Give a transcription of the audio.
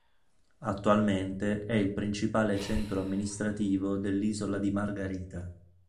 Attualmente è il principale centro amministrativo dell'isola di Margarita.